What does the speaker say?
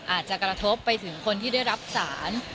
อาจจะกระทบไปถึงคนที่ได้รับสาร